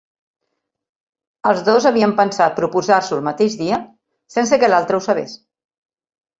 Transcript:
Els dos havien pensat proposar-s'ho el mateix dia, sense que l'altre ho sabés.